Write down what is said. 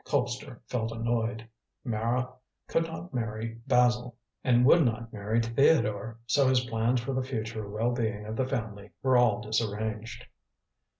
Colpster felt annoyed. Mara could not marry Basil, and would not many Theodore, so his plans for the future well being of the family were all disarranged.